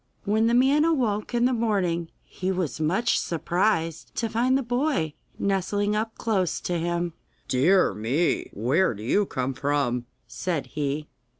When the man awoke in the morning he was much surprised to find the boy nestling up close to him. 'Dear me! where do you come from?' said he.